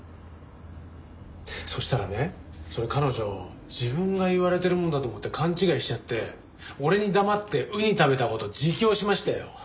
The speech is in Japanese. そしたらねそれ彼女自分が言われてるものだと思って勘違いしちゃって俺に黙ってウニ食べた事自供しましたよ。